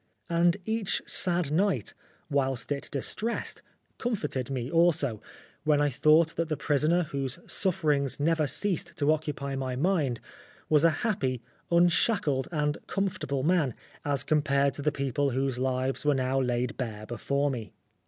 And each sad sight, whilst it distressed, comforted me also, when I thought that the prisoner, whose sufferings never ceased to occupy my mind, was a happy, unshackled, and comfort able man, as compared to the people whose lives were now laid bare before me.